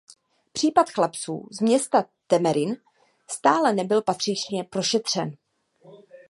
Případ chlapců z města Temerin stále nebyl patřičně prošetřen.